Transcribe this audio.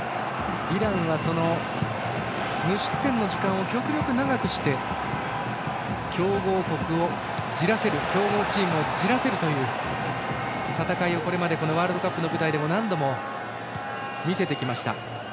イランは無失点の時間を極力長くして強豪国をじらせるという戦いをこれまでワールドカップの舞台でも何度も見せてきました。